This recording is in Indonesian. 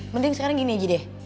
mending sekarang gini gideh